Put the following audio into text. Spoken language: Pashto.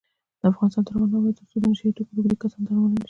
افغانستان تر هغو نه ابادیږي، ترڅو د نشه یي توکو روږدي کسان درملنه نشي.